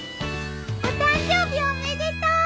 お誕生日おめでとう。